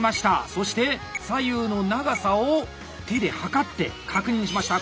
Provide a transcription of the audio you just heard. そして左右の長さを手で測って確認しました。